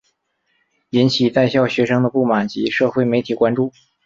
引起在校学生的不满及社会媒体关注。